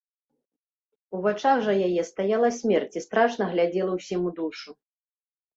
У вачах жа яе стаяла смерць і страшна глядзела ўсім у душу.